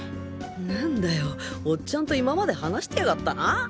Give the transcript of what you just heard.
なんだよおっちゃんと今まで話してやがったな